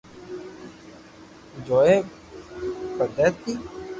چوئي پيدي تي